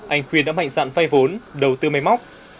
anh khuyên đã mạnh dạn phay vốn đầu tư mây móc